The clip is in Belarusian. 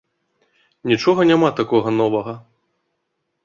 Нічога няма такога новага.